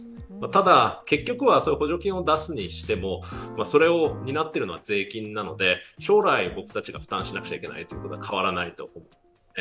ただ、結局、補助金を出すにしてもそれを担っているのは税金なので将来僕たちが負担しなければいけないのは変わらないと思うんですね。